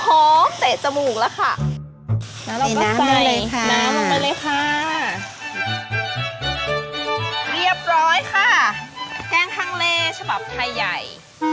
แกงฮังเลฉบับไทยใหญ่